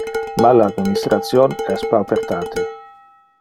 Mal administration es paupertate.